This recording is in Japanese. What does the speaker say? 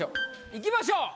いきましょう。